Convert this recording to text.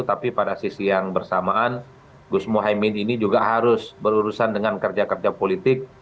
tapi pada sisi yang bersamaan gus mohaimin ini juga harus berurusan dengan kerja kerja politik